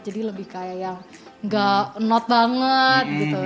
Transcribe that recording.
jadi lebih kayak yang gak not banget gitu